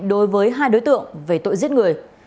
đối với hai đối tượng về tội giết người